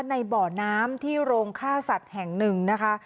ในบ่อน้ำที่โรงฆ่าสัตว์แห่งหนึ่งนะคะ